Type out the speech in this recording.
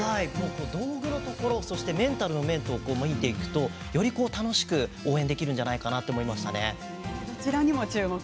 道具やメンタルの面も見ていくとより楽しく応援できるんじゃないかなと思いました。